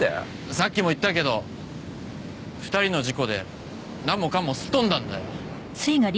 さっきも言ったけど２人の事故でなんもかんもすっ飛んだんだよ